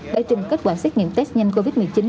bài trình kết quả xét nghiệm test nhanh covid một mươi chín